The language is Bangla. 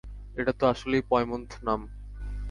এটা তো আসলেই পয়মন্ত নাম।